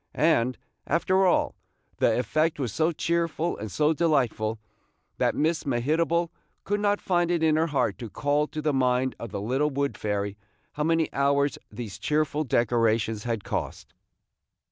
And, after all, the effect was so cheerful and so delightful, that Miss Mehitable could not find it in her heart to call to the mind of the little wood fairy how many hours these cheerful decorations had cost.